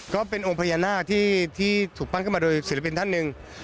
ก็เป็นองค์พญานาคที่ถูกปั้นขึ้นมาโดยศิลปินท่านหนึ่ง